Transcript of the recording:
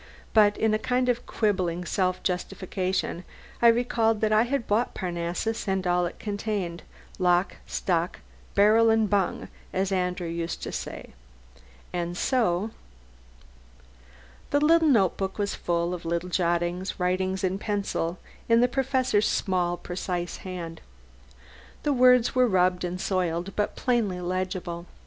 But in a kind of quibbling self justification I recalled that I had bought Parnassus and all it contained, "lock, stock, barrel and bung" as Andrew used to say. And so.... The notebook was full of little jottings, written in pencil in the Professor's small, precise hand. The words were rubbed and soiled, but plainly legible.